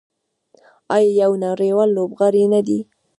آیا یو نړیوال لوبغاړی نه دی؟